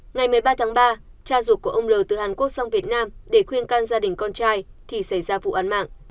ngày một mươi ba tháng ba cha ruột của ông l từ hàn quốc sang việt nam để khuyên can gia đình con trai thì xảy ra vụ án mạng